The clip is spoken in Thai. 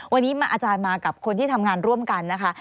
วันนี้อาจารย์มากับคนที่ทำงานร่วมกันนะคะ